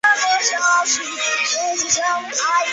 兴隆观和峨嵋山下的佛教寺院兴善寺齐名。